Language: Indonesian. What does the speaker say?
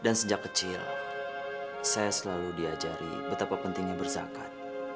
dan sejak kecil saya selalu diajari betapa pentingnya berzakat